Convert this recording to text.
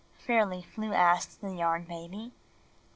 Fairly Flew asked the Yarn Baby.